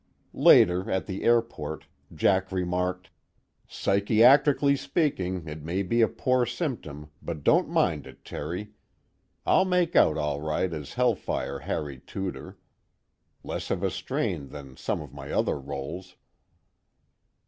Later, at the airport, Jack remarked: "Psychiatrically speaking it may be a poor symptom, but don't mind it, Terry. I'll make out all right as hell fire Harry Tudor. Less of a strain than some of my other roles."